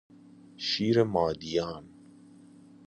شیر مادیان